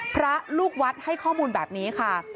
พระลูกวัดให้ข้อมูลแบบนี้ค่ะ